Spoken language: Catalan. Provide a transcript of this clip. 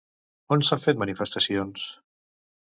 On s'han fet manifestacions?